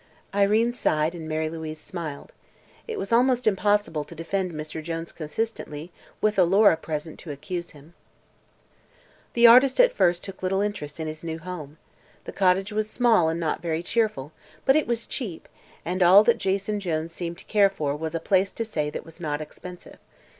Irene sighed and Mary Louise smiled. It was almost impossible to defend Mr. Jones consistently, with Alora present to accuse him. The artist at first took little interest in his new home. The cottage was small and not very cheerful, but it was cheap, and all that Jason Jones seemed to care for was a place to stay that was not expensive.